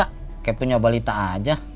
kayak punya balita aja